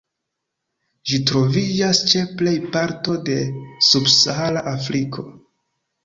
Ĝi troviĝas ĉe plej parto de Subsahara Afriko.